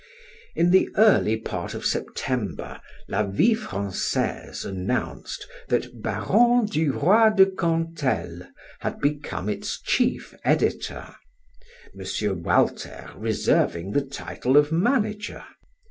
In the early part of September "La Vie Francaise" announced that Baron du Roy de Cantel had become its chief editor, M. Walter reserving the title of manager.